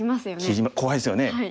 切り怖いですよね。